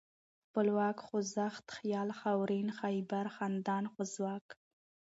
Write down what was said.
خپلواک ، خوځښت ، خيال ، خاورين ، خيبر ، خندان ، خوازک